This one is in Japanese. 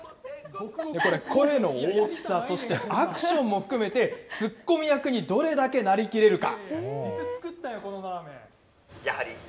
これ、声の大きさ、そして、アクションも含めて、ツッコミ役にどれだけなりきれるか。